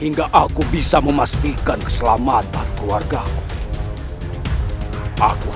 hingga aku bisa memastikan keselamatanmu sampai ke ayamku